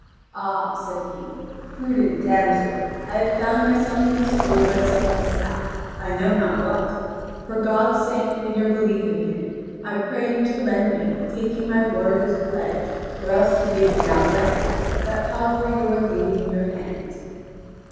"Ah," said he, "prudent damsel, I have found myself in this wood by some mishap I know not what. For God's sake and your belief in Him, I pray you to lend me, taking my word as pledge, or else to give me outright, that palfrey you are leading in your hand."